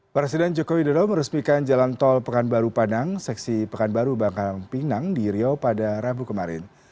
presiden joko widodo meresmikan jalan tol pekanbaru panang seksi pekanbaru bangkinang di riau pada rabu kemarin